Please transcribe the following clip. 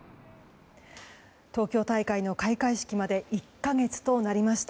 東京大会の開会式まで１か月となりました。